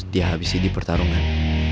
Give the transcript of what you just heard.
dihabisi di pertarungan